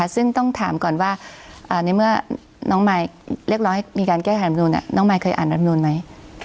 ซึ่งต้องถามก่อนว่าในเมื่อน้องมายเรียกร้องให้มีการแก้ไขรำนูนน้องมายเคยอ่านรับนูนไหม